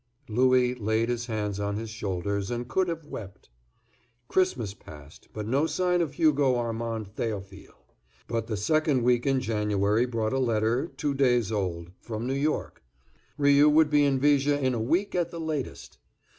Louis laid his hands on his shoulders, and could have wept. Christmas passed, but no sign of Hugo Armand Theophile. But the second week in January brought a letter, two days old, from New York. Rioux would be in Viger in a week at the latest.